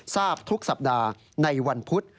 ทราบทุกสัปดาห์ในวันพุธ